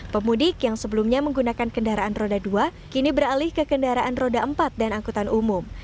pemudik yang sebelumnya menggunakan kendaraan roda dua kini beralih ke kendaraan roda empat dan angkutan umum